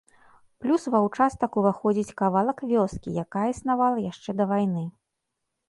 Плюс ва ўчастак ўваходзіць кавалак вёскі, якая існавала яшчэ да вайны.